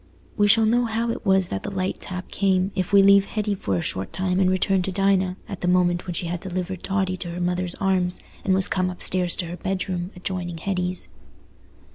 We shall know how it was that the light tap came, if we leave Hetty for a short time and return to Dinah, at the moment when she had delivered Totty to her mother's arms, and was come upstairs to her bedroom, adjoining Hetty's.